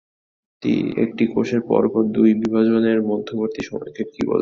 একটি কোষের পরপর দুই বিভাজনের মধ্যবর্তী সময়কে কী বলে?